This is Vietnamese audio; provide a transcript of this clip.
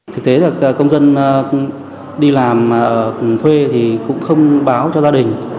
thực tế là công dân đi làm thuê thì cũng không báo cho gia đình